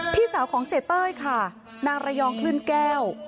พี่สาวของเสียเต้ยค่ะนางระยองคลื่นแก้ว